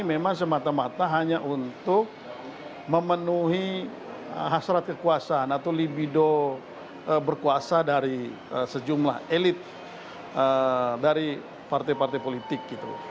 memang semata mata hanya untuk memenuhi hasrat kekuasaan atau libido berkuasa dari sejumlah elit dari partai partai politik